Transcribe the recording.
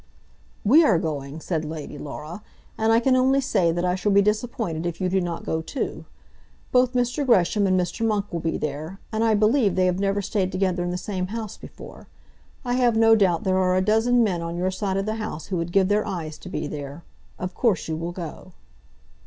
"We are going," said Lady Laura, "and I can only say that I shall be disappointed if you do not go too. Both Mr. Gresham and Mr. Monk will be there, and I believe they have never stayed together in the same house before. I have no doubt there are a dozen men on your side of the House who would give their eyes to be there. Of course you will go."